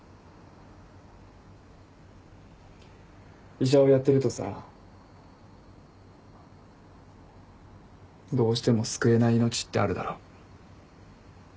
医者をやってるとさどうしても救えない命ってあるだろ。